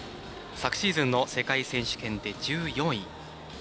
昨シーズンの世界選手権で１４位。